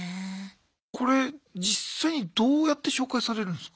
これ実際にどうやって紹介されるんすか？